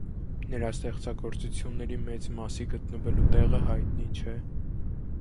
Նրա ստեղծագործությունների մեծ մասի գտնվելու տեղը հայտնի չէ։